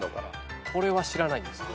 これは知らないんですよ。